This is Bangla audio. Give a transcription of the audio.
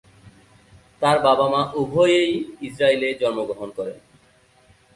তার বাবা মা উভয়েই ইসরায়েল এ জন্মগ্রহণ করেন।